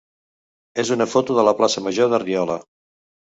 és una foto de la plaça major de Riola.